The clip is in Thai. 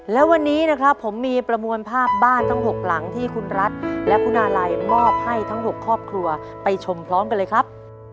และวันนี้นะครับผมมีประมวลภาพบ้านทั้ง๖หลังที่คุณรัฐและคุณอาลัยมอบให้ทั้ง๖ครอบครัวไปชมพร้อมกันเลยครับ